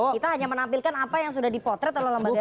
kita hanya menampilkan apa yang sudah dipotret oleh lembaga survei